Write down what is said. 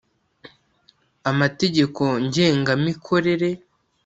Amategeko ngenga mikorere